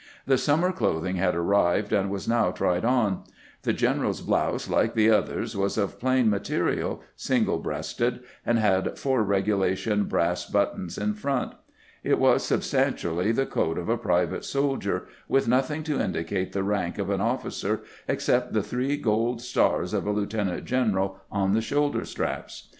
The summer clothing had arrived, and was now tried on. The general's blouse, like the others, was of plain ma terial, single breasted, and had four regulation brass buttons in front. It was substantially the coat of a pri vate soldier, with nothing to indicate the rank of an officer except the three gold stars of a lieutenant general on the shoulder straps.